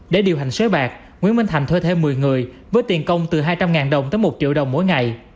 để điều hành sới bạc nguyễn minh thành thuê thêm một mươi người với tiền công từ hai trăm linh đồng tới một triệu đồng mỗi ngày